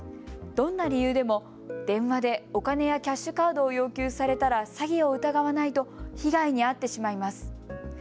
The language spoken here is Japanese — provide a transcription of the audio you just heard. どんな理由でも電話でお金やキャッシュカードを要求されたら詐欺を疑わないと被害に遭ってしまいます。